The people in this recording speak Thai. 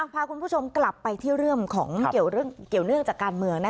พาคุณผู้ชมกลับไปที่เรื่องของเกี่ยวเนื่องจากการเมือง